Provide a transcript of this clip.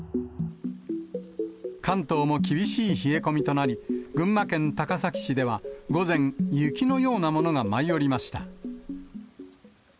関東も厳しい冷え込みとなり、群馬県高崎市では、午前、雪のようなものが舞い降りました。